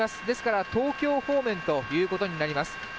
ですから東京方面ということになります。